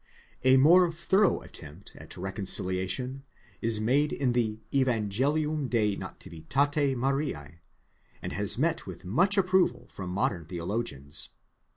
A more thorough attempt at reconciliation is made in the Avangelium de nativitate Maria, and has met with much approval from modern theologians.